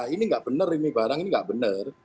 ini enggak benar ini barang ini enggak benar